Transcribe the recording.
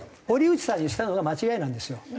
堀内さんにしたのが間違いなんですよ。